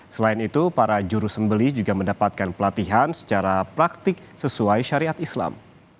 selain itu para juru sembeli juga mendapatkan pelatihan secara praktik sesuai syariat islam